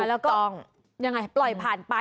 ถูกต้องยังไงปล่อยผ่านไป